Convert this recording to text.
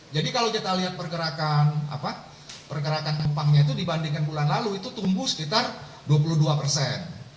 jadi kalau kita lihat pergerakan penumpangnya itu dibandingkan bulan lalu itu tumbuh sekitar dua puluh dua persen